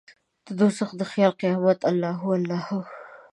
ددوږخ د خیال قیامته الله هو، الله هو